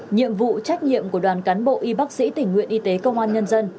nhiệm vụ trách nhiệm của đoàn cán bộ y bác sĩ tình nguyện y tế công an nhân dân